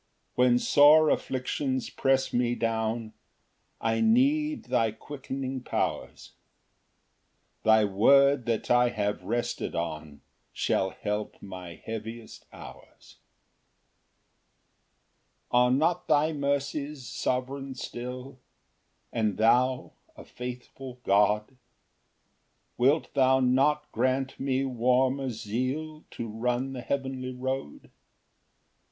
Ver. 107. 3 When sore afflictions press me down, I need thy quickening powers; Thy word that I have rested on shall help my heaviest hours. Ver. 156 140. 4 Are not thy mercies sovereign still? And thou a faithful God? Wilt thou not grant me warmer zeal To run the heavenly road?